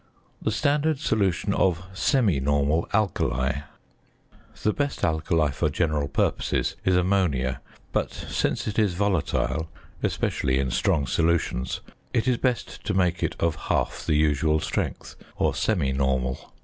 The standard solution of semi normal "alkali." The best alkali for general purposes is ammonia, but, since it is volatile (especially in strong solutions), it is best to make it of half the usual strength, or semi normal.